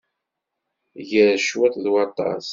Gar cwiṭ, d waṭas.